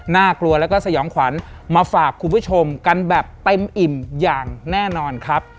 น่ากลัวแล้วก็สยองขวัญมาฝากคุณผู้ชมกันแบบเต็มอิ่มอย่างแน่นอนครับ